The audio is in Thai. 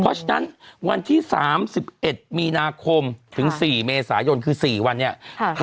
เพราะฉะนั้นวันที่สามสิบเอ็ดมีนาคมถึงสี่เมษายนคือสี่วันเนี้ยครับ